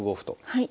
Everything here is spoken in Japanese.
はい。